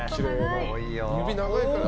指長いから。